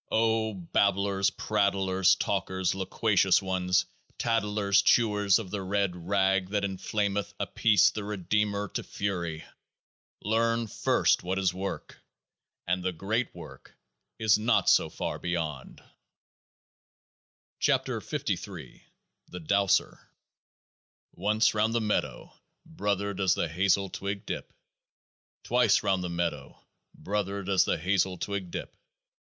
O Babblers, Prattlers, Talkers, Loquacious Ones, Tatlers, Chewers of the Red Rag that inflameth Apis the Redeemer to fury, learn first what is Work ! and THE GREAT WORK is not so far beyond ! 67 KEOAAH Nr THE DOWSER Once round the meadow. Brother, does the hazel twig dip? Twice round the orchard. Brother, does the hazel twig dip?